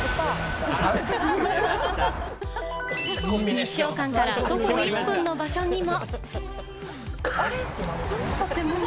日証館から徒歩１分の場所にも。